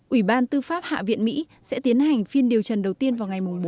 ủy ban tư pháp hạ viện mỹ sẽ tiến hành phiên điều trần đầu tiên vào ngày bốn tháng một mươi hai tới